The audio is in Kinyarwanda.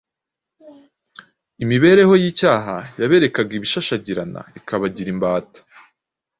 Imibereho y’icyaha yaberekaga ibishashagirana ikabagira imbata.